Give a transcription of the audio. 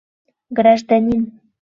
— Гражданин!